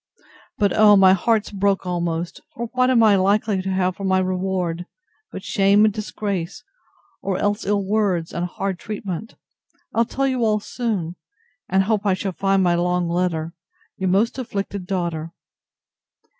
—But, oh! my heart's broke almost; for what am I likely to have for my reward, but shame and disgrace, or else ill words, and hard treatment! I'll tell you all soon, and hope I shall find my long letter. Your most afflicted DAUGHTER.